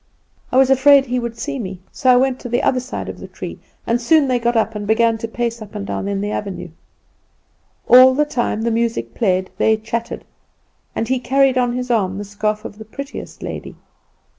I was afraid he would see me; so I went to the other side of the tree, and soon they got up and began to pace up and down in the avenue. "All the time the music played they chatted, and he carried on his arm the scarf of the prettiest lady.